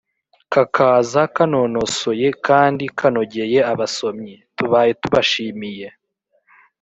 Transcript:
kakaza kanonosoye kandi kanogeye abasomyi. tubaye tubashimiye